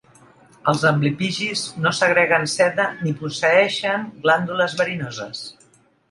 Els amblipigis no segreguen seda ni posseeixen glàndules verinoses.